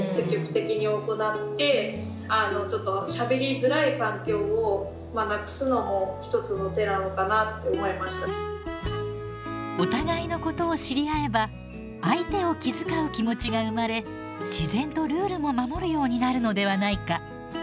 そういうところのお互いのことを知り合えば相手を気遣う気持ちが生まれ自然とルールも守るようになるのではないか。